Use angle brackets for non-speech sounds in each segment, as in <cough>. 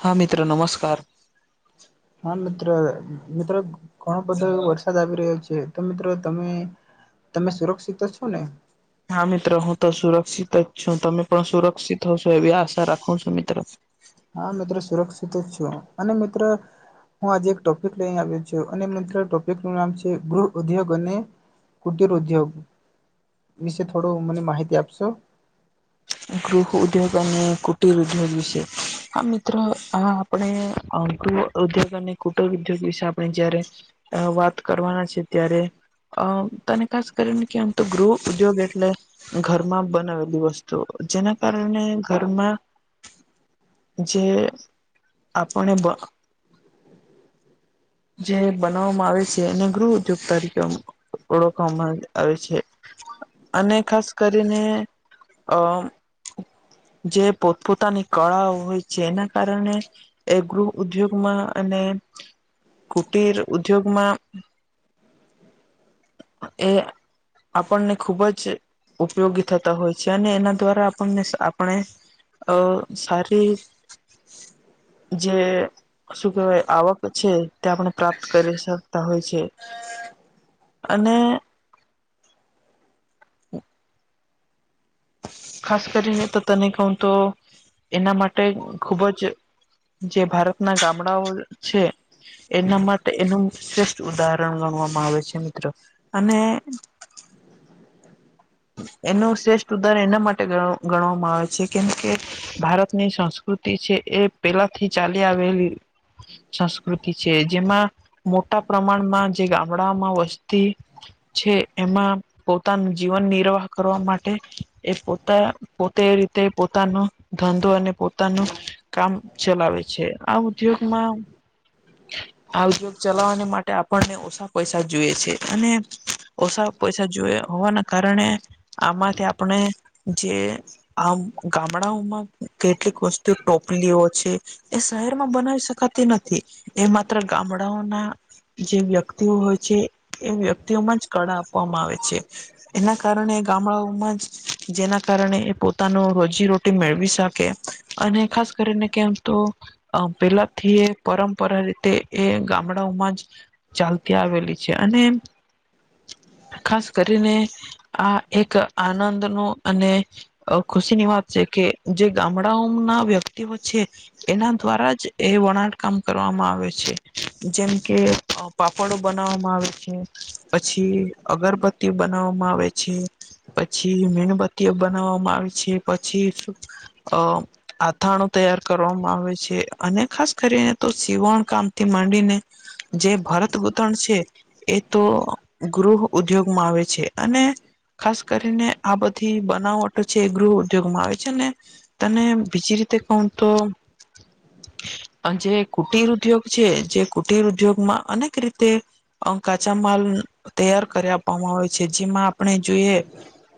હા મિત્રો નમસ્કાર. હા મિત્ર અ મિત્ર ઘણો બધો વરસાદ આવી રહ્યો છે તો મિત્રો તમે તમે સુરક્ષિત તો છો ને. હા મિત્રો હું તો સુરક્ષિત જ છું તમે પણ સુરક્ષિત હશો એવી આશા રાખું છું મિત્રો. હા મિત્ર સુરક્ષિત જ છું અને મિત્ર હું આજે એક ટોપિક લઈને આવ્યો છું અને મિત્રો ટોપિક નું નામ છે ગૃહ ઉદ્યોગ અને કુટીર ઉદ્યોગ વિશે થોડું મને માહિતી આપશો. ગૃહઉદ્યોગ અને કુટીર ઉદ્યોગ વિશે. હા મિત્રો આ આપણે ગૃહ ઉદ્યોગ અને કુટુર ઉદ્યોગ વિશે આપણે જયારે અ વાત કરવાના છી ત્યારે અ તને ખાસ કરીને કેમ તો ગૃહ ઉદ્યોગ એટલે ઘરમાં બનાવેલી વસ્તુ જેના કારણે ઘરમાં જે આપણે બ જે બનાવવામાં આવે છે એને ગૃહ ઉદ્યોગ તરીકે ઓળખવામાં આવે આવેછે અને ખાસ કરીને અ જે પોતપોતાની કળા હોય છે જેના કારણે એ ગૃહઉદ્યોગમાં અને કુટિર ઉદ્યોગમાં એ આપણને ખૂબ જ ઉપયોગી થતા હોય છે અને એના દ્વારા આપણને આપણે અ સારી જે શું કેવાય આવક છે તે આપણે પ્રાપ્ત કરી શકતા હોય છે અને ખાસ કરીને તો તને કહું તો એના માટે ખુબ જ જે ભારતના ગામડાઓ છે. એના માટે એનું શ્રેષ્ઠ ઉદાહરણ ગણવામાં આવે છે મિત્રો અને એનું શ્રેષ્ઠ ઉદાહરણ એના માટે ગણ ગણવામાં આવે છે કેમ કે ભારતની સંસ્કૃતિ છે એ પેલાથી ચાલી આવેલી સંસ્કૃતિ છે જેમાં મોટા પ્રમાણમાં જે વડામાં વસ્તી છે એમાં પોતાન જીવનની <inaudible> કરવા માટે એ પોતા પોતે એરીતે પોતાનો ધંધો અને પોતાનું કામ ચલાવે છે આવુ ઉધોગમાં <unintelligible> આ ઉદ્યોગ ચલાવવાની માટે આપણને ઓછા પૈસા જોઈએ છે અને ઓછા પૈસા જોયા હોવાના કારણે આમાંથી આપણે જે- આમ ગામડાઓમાં કેટલીક વસ્તુ ટોપલીઓ છે. એ શહેરમાં બનાવી શકાતી નથી એ માત્ર ગામડાઓના- જે વ્યક્તિઓ હોય છે એ વ્યક્તિઓમાં જ કળા આપવામાં આવે છે એના- કારણે ગામડાઓમાં જ- જેના કારણે એ પોતાનો રોજીરોટી મેળવી શકે- અને ખાસ કરીને કેમ તો- અ પેલાથી એ પરંપરા રીતે એ ગામડાઓમાં જ- ચાલતી આવેલી છે અને- <inaudible> ખાસ કરીને આ એક આનંદ નું અને- ખુશી ની વાત છે કે જે ગામડાઓ ના વ્યક્તિઓ છે. એના દ્વારા જ એ વણાટ કામ કરવામાં આવે છે. જેમ કે- પાપડો બનાવવામાં આવે છે પછી અગરબત્તી બનાવવામાં આવે છે. પછી મીણબત્તી બનાવવામાં આવે છે પછી અ- આથાણો તૈયાર કરવામાં આવે છે અને ખાસ કરીને તો સીવણ કામ થી માંડીને- જે ભરત ગૂથણ છે એ તો ગૃહ- ઉદ્યોગ માં આવે છે અને- ખાસ કરીને આ બધી બનાવટો છે ગૃહ ઉદ્યોગમાં આવે છે ને- તને બીજી રીતે કું તો- જે કુટિર ઉદ્યોગ છે જે કુટિર ઉદ્યોગમાં અનેક રીતે- કાચા માલ તૈયાર કરી આપવામાં આવે છે. જેમાં આપણે જોઈએ-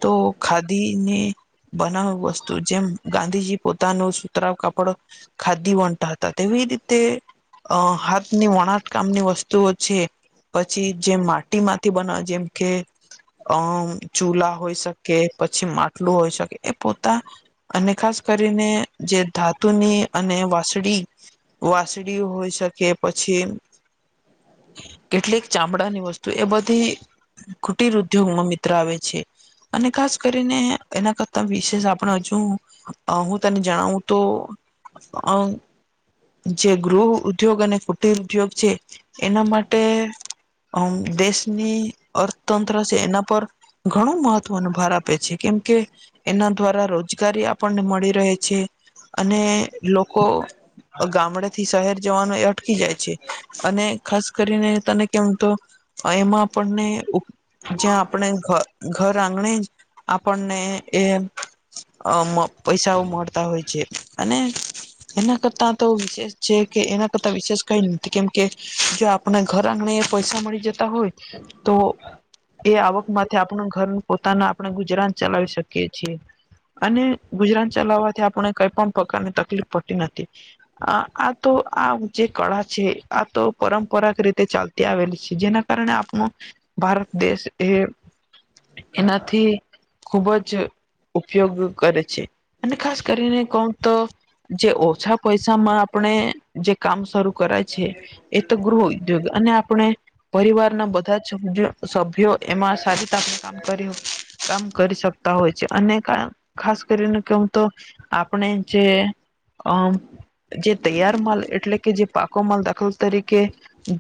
તો ખાદી ને- બનાવ વસ્તુ જેમ ગાંધીજી પોતાનું સુતરા કાપડ- ખાદી વતા હતા તેવી રીતે- અ હાથની વણાટ કામની વસ્તુઓ છે. પછી જેમ માટીમાંથી બનાવા જેમ કે- અમ ચૂલા હોય શકે પછી માટલું હોય શકે એ પોતા- અને ખાસ કરીને જે ધાતુની અને વાસડી- વાસડી હોઈ શકે પછી- કેટલીક ચામડા ની વસ્તુ એ બધી ખુટી ર- ઉદ્યોગમાં મિત્ર આવે છે. અને ખાસ કરીને એના કરતા વિશેષ આપણે હજુ- હું તને જણાવું તો- જે ગૃહ ઉદ્યોગ અને કુટિર ઉદ્યોગ છે. એના માટે દેશની અર્થતંત્ર- એના પર ઘણો મહત્વનો ભાર આપે છે કેમ કે એના દ્વારા રોજગારી આપ- આપને મળી રહે છે અને લોકો ગામડ થી શહેર જવાનો- અટકી જાય છે અને ખાસ કરીને તને કેમ તો એમાં આપણને- જ્યાં આપણે ઘ ઘર આંગણે જ આપણને એ- અ પૈસાઓ મળતા હોય છે અને- એના કરતાં તો વિશેષ છે કે એના કરતા વિશેષ કઈ ન- કેમકે જો આપણે ઘર આંગણે એ પૈસા મળી જતા હોય તો- એ આવકથી આપણું ઘર પોતાના આપણે ગુજરાન ચલાવી શકીએ છીએ. અને ગુજરાન ચલાવવાથી આપણે કઈ પણ પ્રકારની તકલીફ પડતી નથી. આ આ તો આ જે કળા છે, આ તો પરંપરાગ રીતે ચાલતી- આવેલી છે જેના કારણે આપણ ભારત દેશ- એ એનાથી ખુબ જ- ઉપયોગ કરે છે અને ખાસ કરીને કવ તો- જે ઓછા પૈસામાં આપણે જે કામ શરૂ કરાય છે. એ તો ગૃહ ઉદ્યોગ અને આપણે પરિવારના બધા જ સભ્યો- એમાં સારી રતે આપણે કામ કરી કામ કરી શકતા હોય છે અને કાર. ખાસ કરીને કવ તો આપણે જે અમ. જે તૈયાર માલ એટલે કે જે પાકો માલ દાખલ તરીકે.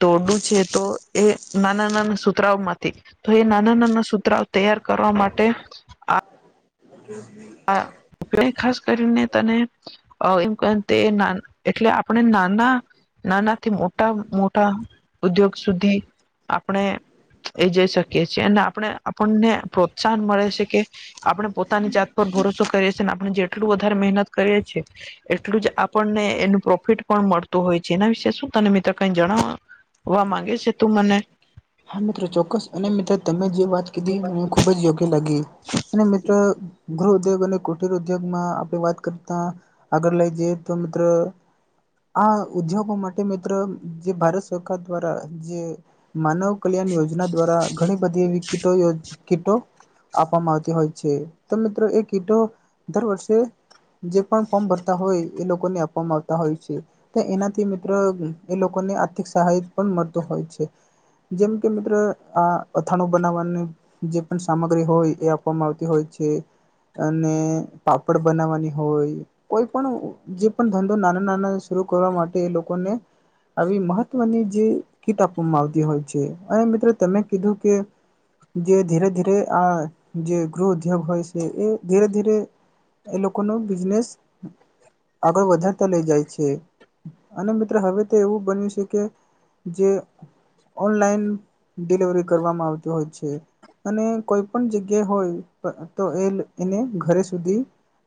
દોરડું છે તો એ નાના નાના સુત્રરાઓમાંથી. તો એ નાના નાના સુૂત્રરાઓ તૈયાર કરવા માટે. <inaudible> આ ખાસ કરીને તને. એમ ક તે ના એટલે આપણે નાના. નાનાથી મોટા મોટા ઉદ્યોગ સુધી આપણે. એ જઈ શકીએ છીએ અને આપણે આપણને પ્રોત્સાહન મળે છે કે આપણે પોતાની જાત. ભરોસો કરીએ છી ને આપણે જેટલું વધારે મહેનત કરીએ છીએ. એટલું જ આપણને એનું પ્રોફિટ પણ મળતું. હોય છે એના વિશે શું તને મિત્રો કઈ જણાવવા માંગે છે તું મને. હા મિત્રો ચોક્કસ અને મિત્ર તમે જે વાત કીધી મને ખુબ જ યોગ્ય લાગી. અને મિત્ર ગૃહ ઉદ્યોગ અને કુઠિર ઉદ્યોગમાં આપણે વાત કરતા. અગર લાગ દ તો મિત્ર આ ઉદ્યોગો માટે મિત્ર જે ભારત સરકાર દ્વારા. જે માનવ કલ્યાણ યોજના દ્વારા ઘણી બધી વિકિટો. કીટો આપવામાં આવતી હોય છે તો મિત્રો એ કીટો દર વર્ષે. જે પણ ફોર્મ ભરતા હોય એ લોકોને આપવામાં આવ- -તા હોય છે એનાથી મિત્રો એ લોકોને આર્થિક સહાય પણ મળતો હોય છે. જેમ કે મિત્ર આ અથાણું બનાવવાનું, જે પણ સામગ્રી હોય એ આપવામાં આવતી હોય છે. અને પાપડ બનાવાની હોય. કોઈ પણ જે પણ ધંધો નાના નાના શરૂ કરવા માટે એ લોકોને. આવી મહત્વની જે કીટ આપવામાં આવતી હોય છે અને મિત્રો તમે કીધું કે. જે ધીરે ધીરે આ જે ગૃહ ઉદ્યોગ હોય છે એ ધીરે ધીરે. એ લોકોનો બિઝનેસ આગળ વધારતા લઈ જાય છે અને મિત્ર હવે તો એવું બન્યું છે કે. જે ઓનલાઈન ડિલિવરી કરવામાં આવતી હોય છે. અને કોઈ પણ જગ્યા હોય તો એ એને ઘરે સુધી.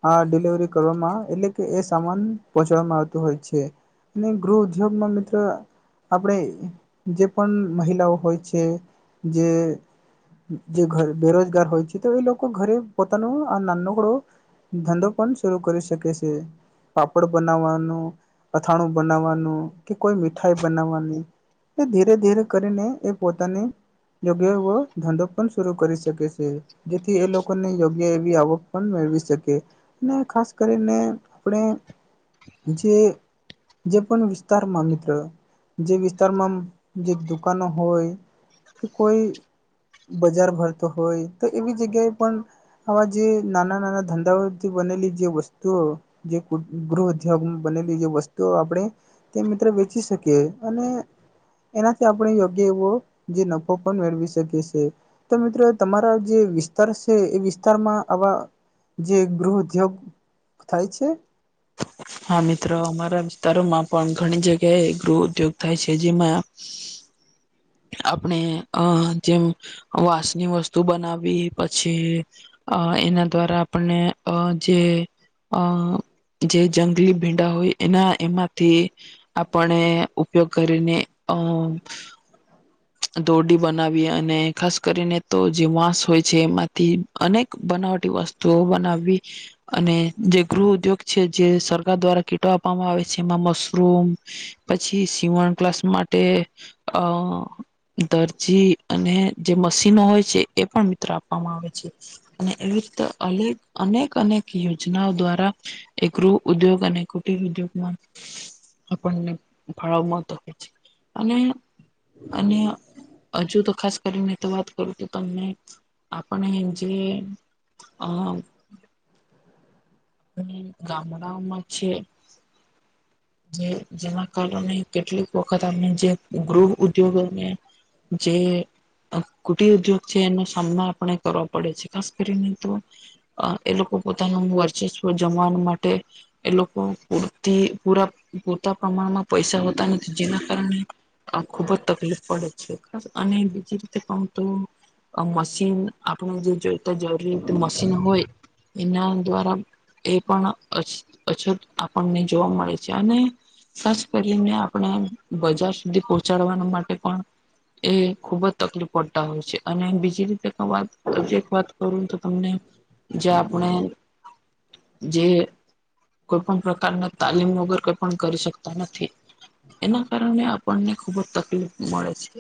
આ ડિલિવરી કરવામાં એટલે કે એ સામાન પહોંચાડવામાં આવતું હોય છે. અને ગૃહ ઉદ્યોગમાં મિત્ર આપણેે. જે પણ મહિલાઓ હોય છે જે. જે ઘર બેરોજગાર હોય છે તો એ લોકો ઘરે પોતાનું નાનોકડો. ધંધો પણ શરૂ કરી શકે છે. પાપડ બનાવવાનું, અથાણું બનાવવાનું, કે કોઈ મીઠાઈ બનાવવાનુ. એ ધીરે ધીરે કરીને એ પોતાની. યોગ્ય એવો ધંધો પણ શરૂ કરી શકે છે. જેથી એ લોકોને યોગ્ય એવી આવક પણ મેળવી શકે. અને ખાસ કરીને આપણે. જે જે પણ વિસ્તારમાં મિત્ર જે વિસ્ વિસ્તારમાં જે દુકાનો હોય કે કોઈ. બજાર ભરતો હોય તો એવી જગ્યાએ પણ. આમાં જે નાના નાના ધંધાઓથી બનેલી જે વસ્તુઓ. જે ગૃહ ઉધ્યોગ બનેલી જે વસ્તુઓ આપણે. તે મિત્ર વેચી શકી અને એનાથી આપણે યોગ્ય એવો જે નફો પણ મેળવી શકીએ છીએ. તો મિત્રો તમારા જે વિસ્તાર છે એ વિસ્તારમાં આવા. જે ગૃહ ઉદ્યોગ થાય છે. હા, મિત્રો, અમારા વિસ્તારોમાં પણ ઘણી જગ્યાએ ગૃહ ઉદ્યોગ થાય છે, જેમાં આપણે, અ જેમ વાંસની વસ્તુ બનાવી, પછી અ એના દ્વારા આપણને અ જે અ, જે જંગલી ભીંડા હોય, એના એમાંથી આપણે ઉપયોગ કરીને અમ. દોડી બનાવી, અને ખાસ કરીને તો જે વાસ હોય છે, એમાંથી અનેક બનાવટી વસ્તુઓ બનાવવી. અને જે ગૃહ ઉદ્યોગ છે, જે સરકાર દ્વારા કીટો આપવામાં આવે છે, એમાં મશરૂમ પછી સીવણ ક્લાસ માટે અ દરજી અને જે મશીનો હોય છે, એ પણ મિત્રો આપવામાં આવે છે. અને, એવી રીતે, અનેક અનેક યોજનાઓ દ્વારા એકર ઉદ્યોગ અને કુટર ઉદ્યોગમાં. આપણને ભળાવ મળતો હોય છે, અને અને હજુ તો ખાસ કરીને તો વાત કરું તું તમને. આપણે જે અ હમ, ગામડા માં છે. <unintelligible> જે જેના કારણે, કેટલીક વખત અમે જે ગૃહ ઉદ્યોગોને જે કુટીર ઉદ્યોગ છે, એનો સામનો આપણે કરવાો પડે છે. ખાસ કરીને તો અ એ લોકો પોતાનો હું વર્ચે છે. જમવા માટે એ, લોકો પૂરતી પરા પૂરતા પ્રમાણમાં. પૈસા હોતા, જેના કારણે આ ખુબ જ તકલીફ પડે છે, ખાસ અને બીજી રીતે પણ તો મશીન, આપણે જે જોઈતા જરૂરી મશીન હોય, એના દ્વારા એ પણ અછત આપણને જોવા મળે છે, અને ખાસ કરીને, આપણે બજાર સુધી પહોંચાડવાનું માટે પણ એ ખુબ જ તકલીફ પડતા હોય છે, અને બીજી રીતે વાત વાત કરું. તમને જે આપણે જે કોઈ પણ પ્રકારના તાલીમ વગર કોઈ પણ કરી શકતા નથી. એના કારણે આપણને ખુબ જ તકલીફ મળે છે.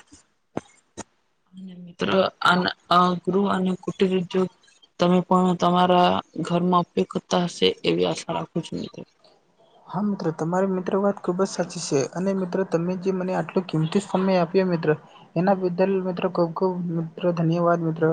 મિત્ર અને. ગહ અને કુટરત તમે પણ તમારા ઘરમાં અ કતા હશે, એવી આશા રાખું છે ન ત. હા, મિત્રો, તમારી મિત્રો વાત ખૂબ જ સાચી છે, અને મિત્રો, તમે જે મને આટલી કિંમતી સમય આપ્યો, મિત્રો, એના બદલ મિત્રો ખુબ ખુબ મિત્રો ધન્યવાદ, મિત્રો.